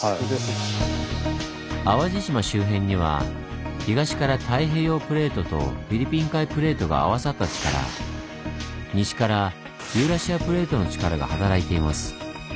淡路島周辺には東から太平洋プレートとフィリピン海プレートが合わさった力西からユーラシアプレートの力が働いています。